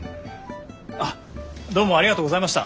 あっどうもありがとうございました。